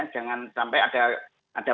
jangan sampai ada